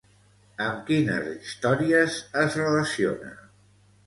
Amb quines històries es relaciona?